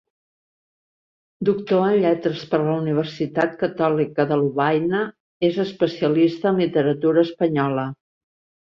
Doctor en Lletres per la Universitat Catòlica de Lovaina, és especialista en literatura espanyola.